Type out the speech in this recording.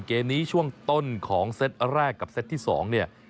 เกมนี้ช่วงต้นของเซตแรกกับเซตที่๒เนี่ย